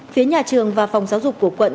phía nhà trường và phòng giáo dục của quận